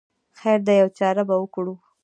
خیر دی یوه چاره به وکړو.